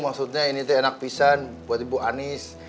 maksudnya ini tuh enak pisan buat ibu anis